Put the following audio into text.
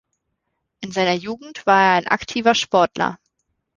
In seiner Jugend war er ein aktiver Sportler.